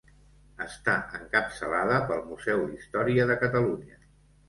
Està encapçalada pel Museu d'Història de Catalunya.